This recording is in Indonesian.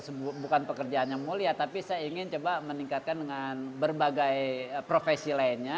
sebut bukan pekerjaannya mulia tapi saya ingin coba meningkatkan dengan berbagai profesi lainnya